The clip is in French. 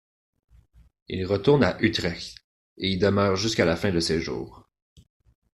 Il retourne à Utrecht et y demeure jusqu'à la fin de ses jours.